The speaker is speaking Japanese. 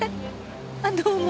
あっどうも。